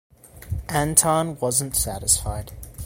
Anton wasn't satisfied.